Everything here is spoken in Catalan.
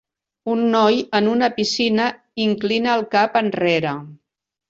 Un noi en una piscina inclina el cap enrere.